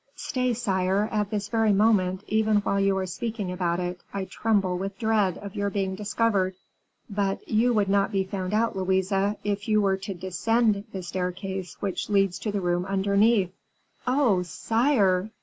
"Stay, sire; at this very moment, even while you are speaking about it, I tremble with dread of your being discovered." "But you would not be found out, Louise, if you were to descend the staircase which leads to the room underneath." "Oh, sire!